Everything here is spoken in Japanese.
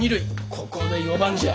ここで４番じゃ。